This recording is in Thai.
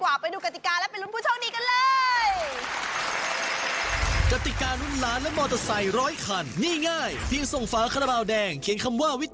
อ้าวอย่ารอช้าไปลุ้นกันดีกว่า